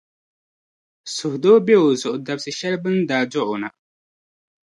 Suhudoo be o zuɣu dabsi shεli bɛ ni daa dɔɣi o na.